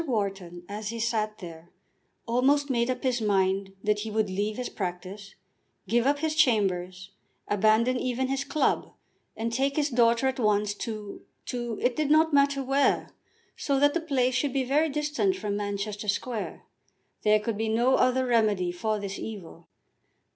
Wharton, as he sat there, almost made up his mind that he would leave his practice, give up his chambers, abandon even his club, and take his daughter at once to to; it did not matter where, so that the place should be very distant from Manchester Square. There could be no other remedy for this evil.